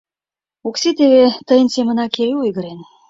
Окси теве тыйын семынак эре ойгырен.